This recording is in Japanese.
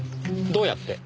どうやって？